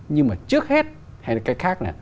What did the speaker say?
nhưng mà trước hết hay là cái khác nè